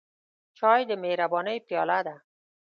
چای د مهربانۍ پیاله ده.